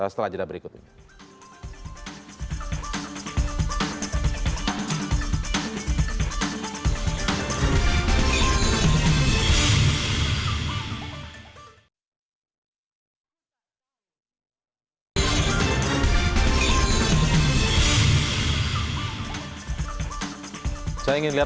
setelah jeda berikutnya